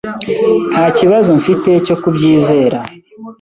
Nta kibazo mfite cyo kubyizera.